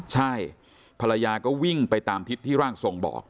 ใช่ภรรยาก็วิ่งไปตามทิศที่ร่างทรงบอก